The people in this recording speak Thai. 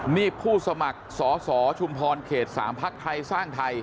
นี่ผู้สมัครสอสอชุมพรเขต๓พักไทยสร้างไทย